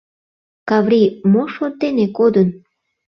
Каврий мо шот дене кодын?..